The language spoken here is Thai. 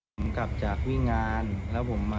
ผมกลับจากวิ่งงานแล้วผมมา